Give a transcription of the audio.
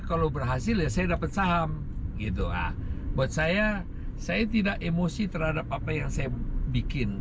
kalau berhasil ya saya dapat saham gitu buat saya saya tidak emosi terhadap apa yang saya bikin